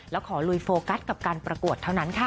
แล้วขอลุยโฟกัสกับการประกวดเท่านั้นค่ะ